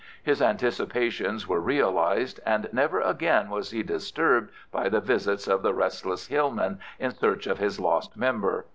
His anticipations were realized, and never again was he disturbed by the visits of the restless hillman in search of his lost member.